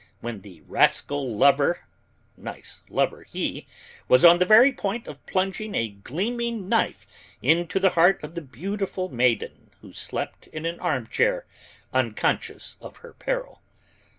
when the rascal lover nice lover, he! was on the very point of plunging a gleaming knife into the heart of the beautiful maiden who slept in an armchair, unconscious of her peril.